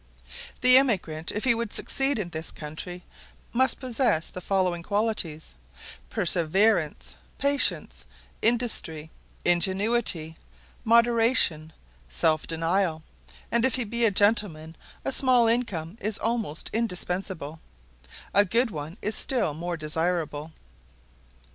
The emigrant, if he would succeed in this country, must possess the following qualities: perseverance, patience, industry, ingenuity, moderation, self denial; and if he be a gentleman, a small income is almost indispensable; a good one is still more desirable.